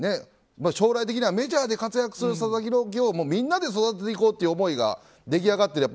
将来的なメジャーで活躍する佐々木朗希をみんなで育てていこうという思いが出来上がっている。